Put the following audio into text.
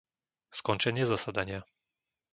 Skončenie zasadania